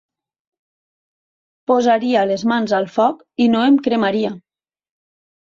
Posaria les mans al foc i no em cremaria.